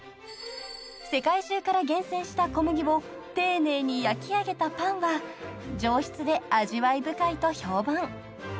［世界中から厳選した小麦を丁寧に焼き上げたパンは上質で味わい深いと評判］